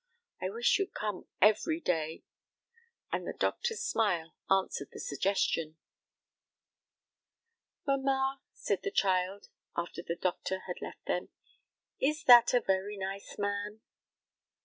I wish you'd come every day," and the doctor's smile answered the suggestion. "Mamma," said the child, after the doctor had left them, "is that a very nice man?"